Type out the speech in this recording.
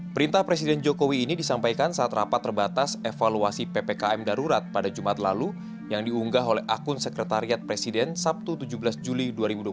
perintah presiden jokowi ini disampaikan saat rapat terbatas evaluasi ppkm darurat pada jumat lalu yang diunggah oleh akun sekretariat presiden sabtu tujuh belas juli dua ribu dua puluh